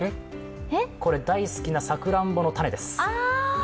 これ、大好きなさくらんぼの種です。